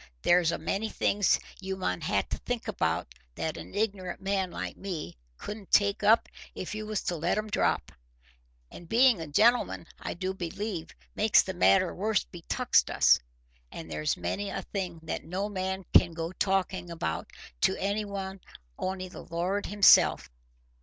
There's a many things you mun ha' to think about that an ignorant man like me couldn't take up if you was to let 'em drop. And being a gentleman, I do believe, makes the matter worse betuxt us. And there's many a thing that no man can go talkin' about to any but only the Lord himself.